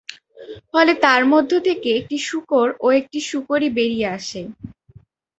ফলে তার মধ্য থেকে একটি শূকর ও একটি শূকরী বেরিয়ে আসে।